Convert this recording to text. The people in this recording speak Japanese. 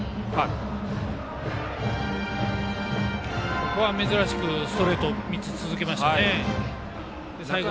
ここは珍しくストレート３つ続けましたね。